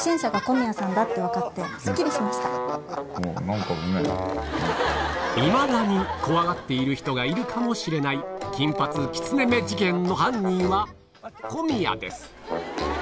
なんといまだに怖がっている人がいるかもしれない金髪キツネ目事件の犯人は小宮です